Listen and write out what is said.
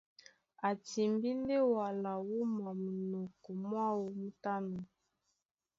A timbí ndé wala wúma munɔkɔ mwáō mú tánɔ̄.